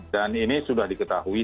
dan ini sudah diketahui